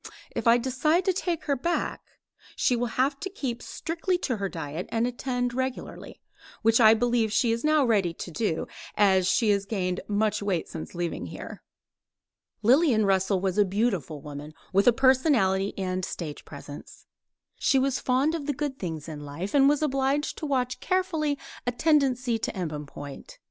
If I decide to take her back, she will have to keep strictly to her diet and attend regularly, which I believe she is now ready to do, as she has gained much weight since leaving here. Lillian Russell was a beautiful woman, with a personality and a stage presence. She was fond of the good things in life, and was obliged to watch carefully a tendency to embonpoint.